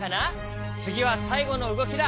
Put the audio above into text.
つぎはさいごのうごきだ。